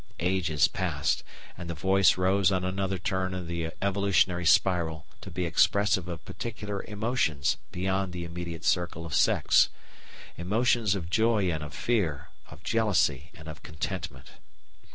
Ages passed, and the voice rose on another turn of the evolutionary spiral to be expressive of particular emotions beyond the immediate circle of sex emotions of joy and of fear, of jealousy and of contentment.